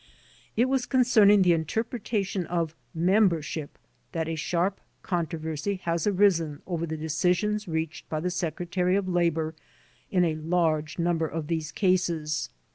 It was concerning the interpretation of ''member ship" that a sharp controversy has arisen over the de cisions reached by the Secretary of Labor in a large number of these cases.